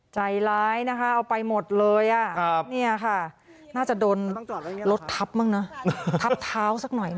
ใจร้ายนะคะเอาไปหมดเลยเนี่ยค่ะน่าจะโดนรถทับบ้างนะทับเท้าสักหน่อยนะ